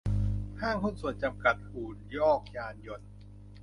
ห้างหุ้นส่วนจำกัด อุ่นอกยานยนต์